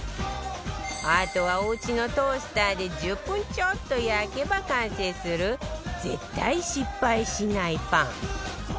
あとはおうちのトースターで１０分ちょっと焼けば完成する絶対失敗しないパン